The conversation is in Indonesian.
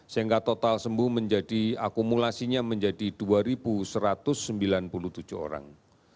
sehingga total sembuh menjadi akumulasinya menjadi dua satu ratus sembilan puluh tujuh orang